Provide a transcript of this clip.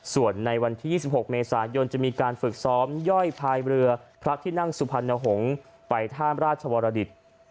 ส่วนในวันที่๒๖เมษายนจะมีการฝึกซ้อมย่อยพายเรือพระที่นั่งสุพรรณหงษ์ไปท่ามราชวรดิต